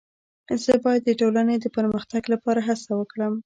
زه باید د ټولني د پرمختګ لپاره هڅه وکړم.